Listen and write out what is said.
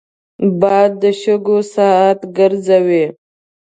باد د شګو ساعت ګرځوي